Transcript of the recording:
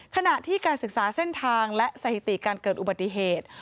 ขณะที่การศึกษาเส้นทางและสถิติการเกิดอุบัติเหตุ